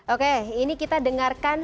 oke ini kita dengarkan